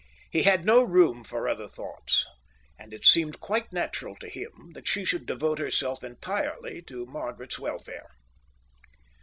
He had no room for other thoughts, and it seemed quite natural to him that she should devote herself entirely to Margaret's welfare.